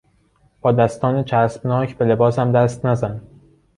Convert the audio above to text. با دستان چسبناک به لباسم دست نزن!